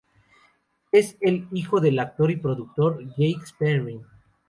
Es el hijo del actor y productor Jacques Perrin.